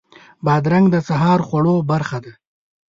بادرنګ د سهار خوړو برخه ده.